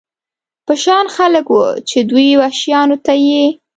په شان خلک و، چې دې وحشیانو ته یې.